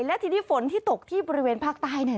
และทีนี้ฝนที่ตกที่บริเวณภาคใต้